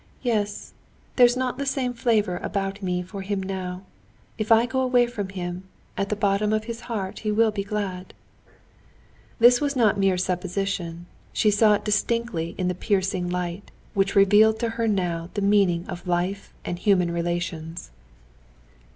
"Yes, there's not the same flavor about me for him now. If I go away from him, at the bottom of his heart he will be glad." This was not mere supposition, she saw it distinctly in the piercing light, which revealed to her now the meaning of life and human relations.